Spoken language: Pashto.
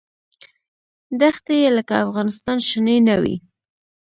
دښتې یې لکه افغانستان شنې نه وې.